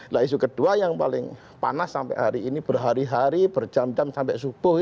nah isu kedua yang paling panas sampai hari ini berhari hari berjam jam sampai subuh